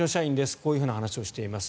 こういう話をしています。